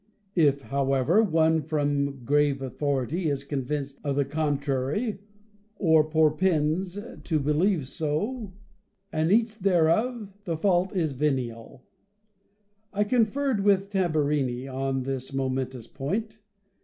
If, however, any one from grave authority is convinced of the contrary, or propends to believe so, and eats thereof, the fault is veniaL I conferred with Tam burini on this momentous point.